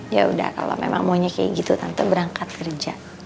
ya udah kalau memang maunya kayak gitu tanpa berangkat kerja